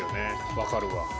分かるわ。